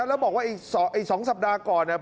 แล้วบอกว่าอีก๒สัปดาห์ก่อน